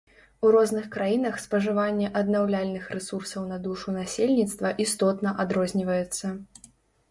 У розных краінах спажыванне аднаўляльных рэсурсаў на душу насельніцтва істотна адрозніваецца.